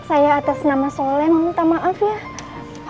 saya atas nama soleh mau minta maaf ya